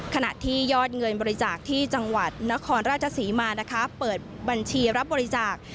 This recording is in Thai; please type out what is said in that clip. ขณะที่ยอดเงินบริจาคที่จังหวัดนครราชศรีมานะคะเปิดบัญชีรับบริจาค